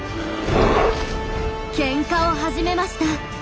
ケンカを始めました。